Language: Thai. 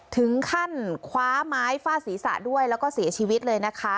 ถึงขั้นคว้าไม้ฟาดศีรษะด้วยแล้วก็เสียชีวิตเลยนะคะ